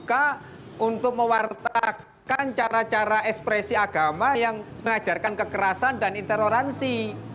mereka harus dibuka untuk mewartakan cara cara ekspresi agama yang mengajarkan kekerasan dan interoransi